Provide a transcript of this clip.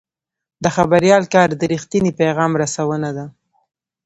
د خبریال کار د رښتیني پیغام رسونه ده.